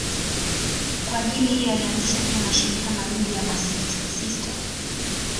Kwa ajili hiyo alianzisha pia mashirika mawili ya masista.